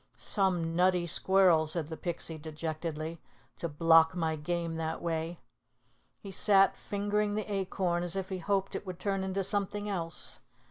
"Some nutty squirrel," said the Pixie dejectedly, "to block my game that way!" He sat fingering the acorn as if he hoped it would turn into something else.